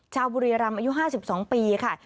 ชาวบุรีรำอายุ๕๒ปีค่ะ